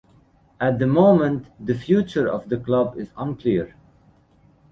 At the moment the future of the club is unclear.